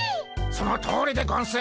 そのとおりでゴンス。